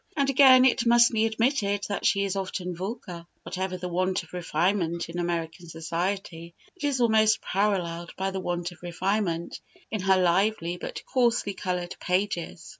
And, again, it must be admitted that she is often vulgar; whatever the want of refinement in American society, it is almost paralleled by the want of refinement in her lively, but coarsely coloured pages.